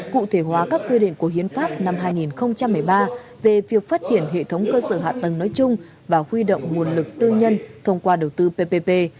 cụ thể hóa các quy định của hiến pháp năm hai nghìn một mươi ba về việc phát triển hệ thống cơ sở hạ tầng nói chung và huy động nguồn lực tư nhân thông qua đầu tư ppp